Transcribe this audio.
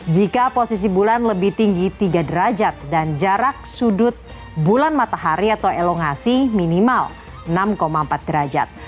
jika posisi bulan lebih tinggi tiga derajat dan jarak sudut bulan matahari atau elongasi minimal enam empat derajat